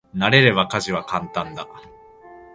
慣れれば家事は簡単だ。